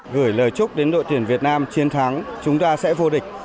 gửi lời chúc đến đội tuyển việt nam chiến thắng chúng ta sẽ vô địch